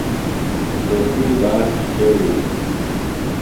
تسی باغ شِشیوی ہِنی۔